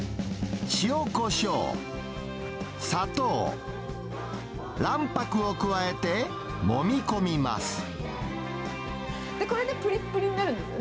塩、こしょう、砂糖、卵白を加えてもみ込みます。